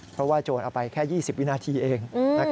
เพราะว่าโจรเอาไปแค่๒๐วินาทีเอง